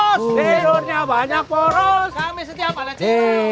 kami setiap hari kita